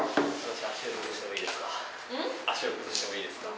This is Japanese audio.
足を崩してもいいですか？